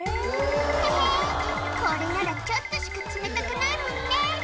「ヘヘンこれならちょっとしか冷たくないもんね」